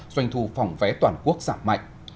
doanh thu phòng vé toàn quốc giảm mạnh